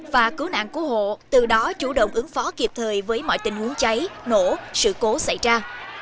và cứu nạn cứu hộ từ đó chủ động ứng phó kịp thời với mọi tình huống cháy nổ sự cố xảy ra